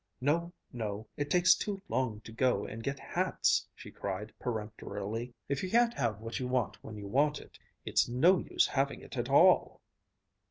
"No no it takes too long to go and get hats!" she cried peremptorily. "If you can't have what you want when you want it, it's no use having it at all!"